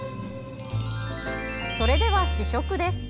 それでは、試食です。